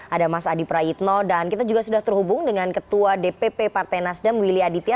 ada mas adi prayitno dan kita juga sudah terhubung dengan ketua dpp partai nasdem willy aditya